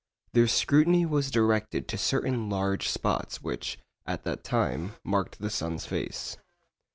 Their scrutiny was directed to certain large spots which, at that time, marked the sun's face.